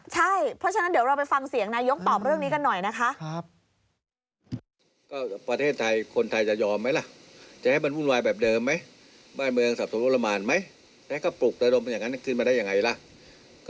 ใช่เพราะฉะนั้นเดี๋ยวเราไปฟังเสียงนายยกอ